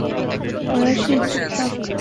ফরাসি, চুপ থাক।